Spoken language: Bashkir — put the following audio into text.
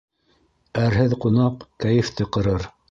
Әрһеҙ ҡунаҡ кәйефте ҡырыр.